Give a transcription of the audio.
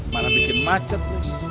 malah bikin macet